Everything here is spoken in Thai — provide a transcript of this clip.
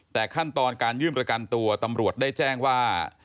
แต่ขั้นตอนการยื่นประกันตัวตำรวจได้แจ้งว่า